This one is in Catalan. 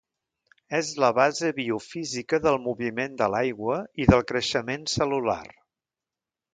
És la base biofísica del moviment de l'aigua i del creixement cel·lular.